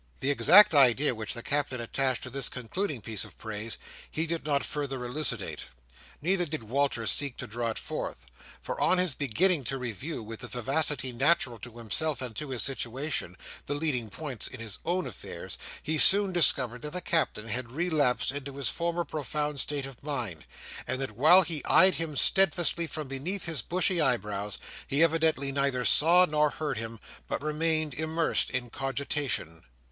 The exact idea which the Captain attached to this concluding piece of praise, he did not further elucidate; neither did Walter seek to draw it forth. For on his beginning to review, with the vivacity natural to himself and to his situation, the leading points in his own affairs, he soon discovered that the Captain had relapsed into his former profound state of mind; and that while he eyed him steadfastly from beneath his bushy eyebrows, he evidently neither saw nor heard him, but remained immersed in cogitation.